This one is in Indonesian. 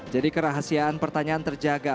jadi kerahasiaan pertanyaan terjaga